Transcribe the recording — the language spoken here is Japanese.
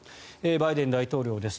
バイデン大統領です。